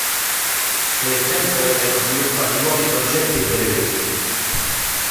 Nel tempo vennero sviluppati nuovi progetti e brevetti.